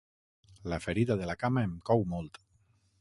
La ferida de la cama em cou molt.